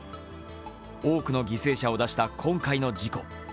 多くの犠牲者を出した今回の事故。